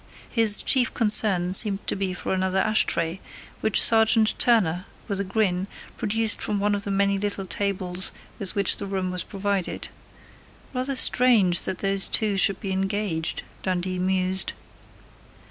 His chief concern seemed to be for another ashtray, which Sergeant Turner, with a grin, produced from one of the many little tables with which the room was provided.... Rather strange that those two should be engaged, Dundee mused....